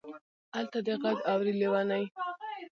الته دې غږ اوري لېونۍ.